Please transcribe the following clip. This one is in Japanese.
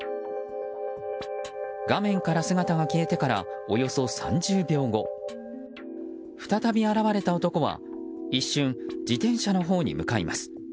画面から姿が消えてからおよそ３０秒後再び現れた男は一瞬、自転車のほうに向かいます。